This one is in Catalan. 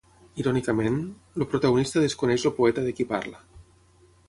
Irònicament, el protagonista desconeix el poeta de qui parla.